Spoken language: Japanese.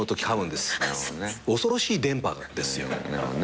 恐ろしい電波ですよ。